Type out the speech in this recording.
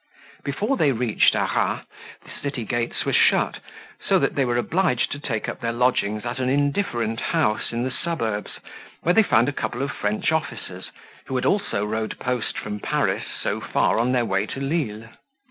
Before they reached Arras, the city gates were shut, so that they were obliged to take up their lodgings at an indifferent house in the suburbs, where they found a couple of French officers, who had also rode post from Paris so far on their way to Lisle.